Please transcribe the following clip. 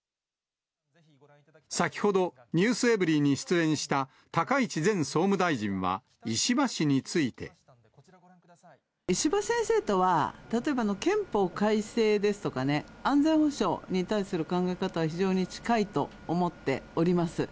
先ほどｎｅｗｓｅｖｅｒｙ．に出演した、高市前総務大臣は、石破氏について。石破先生とは例えば憲法改正ですとかね、安全保障に対する考え方、非常に近いと思っております。